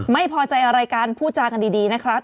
ไม่พอใจอะไรกันพูดจากันดีนะครับ